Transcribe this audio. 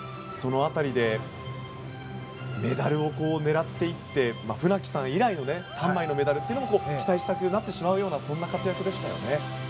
その辺りでメダルを狙っていって船木さん以来の３枚のメダルというのも期待したくなってしまうような活躍でしたね。